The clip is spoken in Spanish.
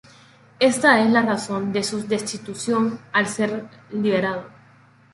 Esta es la razón de su destitución al ser liberado.